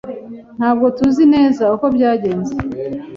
Ntabwo tuzi neza uko byagenze.